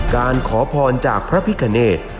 การขอพรจากพระพิคเนต